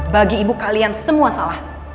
bagi ibu kalian semua salah